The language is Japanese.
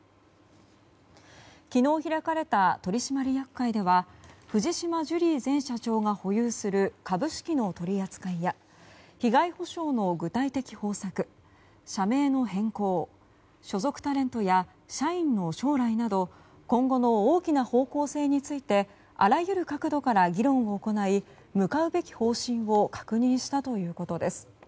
昨日開かれた取締役会では藤島ジュリー前社長が保有する株式の取り扱いや被害補償の具体的方策社名の変更、所属タレントや社員の将来など今後の大きな方向性についてあらゆる角度から議論を行い向かうべき方針を確認したということです。